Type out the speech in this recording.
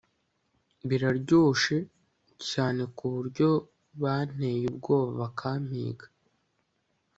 Biraryoshe cyane kuburyo banteye ubwoba bakampiga